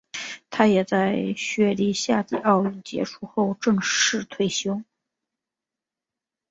他也在雪梨夏季奥运结束后正式退休。